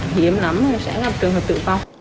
hiếm lắm sẽ gặp trường hợp tự phong